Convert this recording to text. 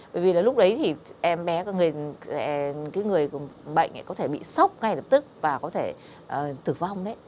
bởi vì là lúc đấy thì em bé người bệnh có thể bị sốc ngay lập tức và có thể tử vong đấy